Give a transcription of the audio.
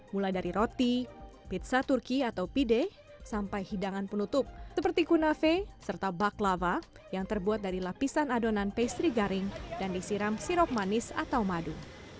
mulai dari roti pizza turki atau pide sampai hidangan penutup seperti kunave serta bak lava yang terbuat dari lapisan adonan pastry garing dan disiram sirop manis atau madu